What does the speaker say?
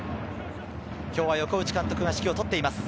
今日は横内監督が指揮をとっています。